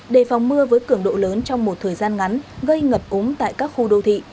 đề phòng mưa với cường độ lớn trong một thời gian ngắn gây ngập úng tại các khu đô thị